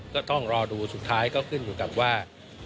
ก็ต้องรอดูสุดท้ายก็ขึ้นอยู่กับว่า